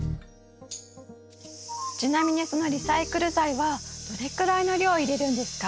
ちなみにそのリサイクル材はどれくらいの量を入れるんですか？